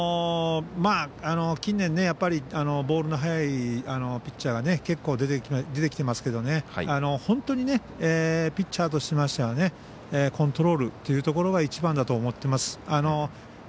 近年ボールの速いピッチャーが結構、出てきてますけど本当にピッチャーとしましてはコントロールというところが一番だと思ってます。